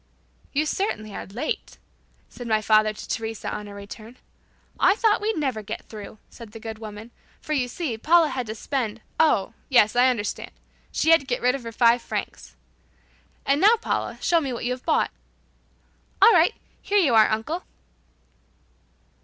"You certainly are late," said my father to Teresa on our return. "I thought we'd never get through," said the good woman. "For you see, Paula had to spend " "Oh, yes, I understand. She had to get rid of her five francs. "And now, Paula, show me what you have bought." "All right. Here you are, uncle!"